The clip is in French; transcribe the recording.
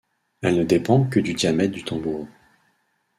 Elle ne dépend que du diamètre du tambour.